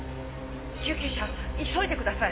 救急車急いでください。